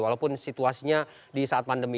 walaupun situasinya di saat pandemi